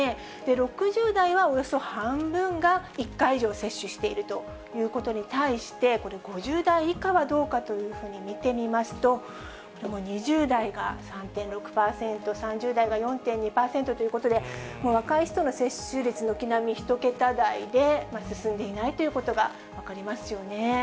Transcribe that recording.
６０代はおよそ半分が１回以上接種しているということに対して、これ、５０代以下はどうかというふうに見てみますと、２０代が３．６％、３０代が４．２％ということで、もう若い人の接種率、軒並み１桁台で、進んでいないということが分かりますよね。